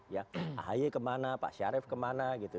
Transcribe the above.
yang ahi kemana pak syarif kemana gitu